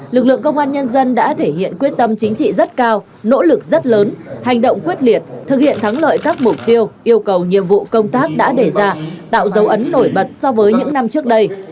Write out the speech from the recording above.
lực lượng công an nhân dân đã thể hiện quyết tâm chính trị rất cao nỗ lực rất lớn hành động quyết liệt thực hiện thắng lợi các mục tiêu yêu cầu nhiệm vụ công tác đã đề ra tạo dấu ấn nổi bật so với những năm trước đây